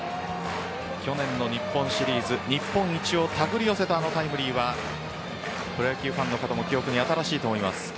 去年の日本シリーズ日本一を手繰り寄せたあのタイムリーはプロ野球ファンの方の記憶に新しいと思います。